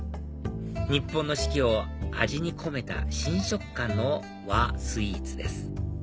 日本の四季を味に込めた新食感の和スイーツです